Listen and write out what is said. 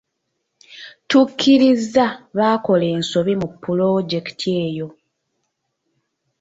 Tukkiriza, baakola ensobi mu pulojekiti eyo.